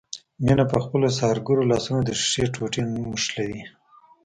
مينه په خپلو سحرګرو لاسونو د ښيښې ټوټې نښلوي.